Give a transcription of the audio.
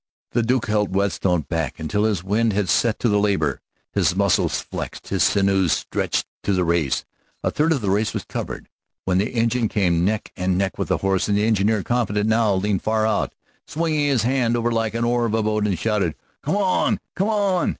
The Duke held Whetstone back until his wind had set to the labor, his muscles flexed, his sinews stretched to the race. A third of the race was covered when the engine came neck and neck with the horse, and the engineer, confident now, leaned far out, swinging his hand like the oar of a boat, and shouted: "Come on! Come on!"